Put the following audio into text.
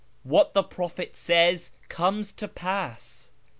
What the prophet says comes to pass.